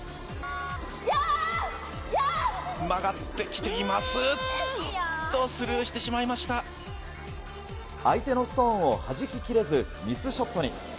曲がってきています、相手のストーンをはじききれずミスショットに。